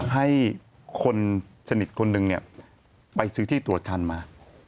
ให้คนสนิทคนหนึ่งไปซื้อที่ตรวจคันมา